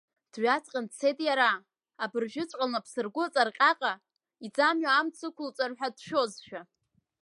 Дҩаҵҟьаны дцеит иара, абыржәыҵәҟьа лнапсыргәыҵа рҟьаҟьа, иӡамҩа амца ықәылҵар ҳәа дшәозшәа.